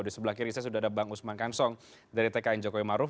di sebelah kiri saya sudah ada bang usman kansong dari tkn jokowi maruf